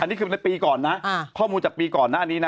อันนี้คือในปีก่อนนะข้อมูลจากปีก่อนหน้านี้นะ